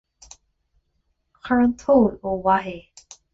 Chuir an t-ól ó mhaith é.